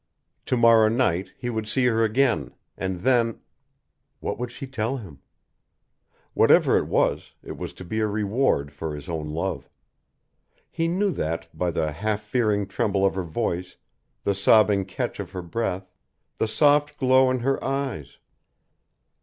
To morrow night he would see her again, and then What would she tell him? Whatever it was, it was to be a reward for his own love. He knew that, by the half fearing tremble of her voice, the sobbing catch of her breath, the soft glow in her eyes.